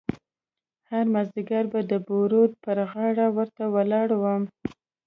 هر مازیګر به د بورد پر غاړه ورته ولاړ وم.